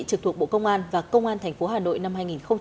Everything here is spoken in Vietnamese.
trực thuộc bộ công an và công an tp hà nội năm hai nghìn hai mươi ba